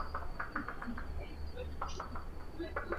Anacheka bila sababu